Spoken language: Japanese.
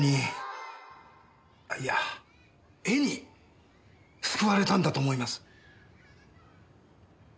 いや絵に救われたんだと思います！